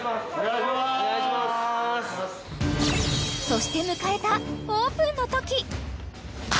［そして迎えたオープンのとき］